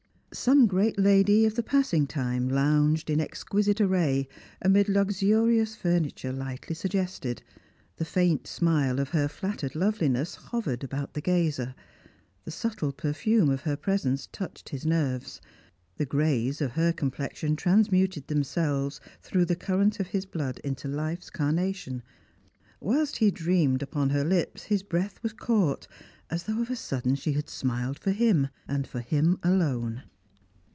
Some great lady of the passing time lounged in exquisite array amid luxurious furniture lightly suggested; the faint smile of her flattered loveliness hovered about the gazer; the subtle perfume of her presence touched his nerves; the greys of her complexion transmuted themselves through the current of his blood into life's carnation; whilst he dreamed upon her lips, his breath was caught, as though of a sudden she had smiled for him, and for him alone.